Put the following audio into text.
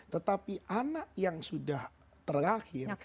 tetapi anak yang sudah terlahir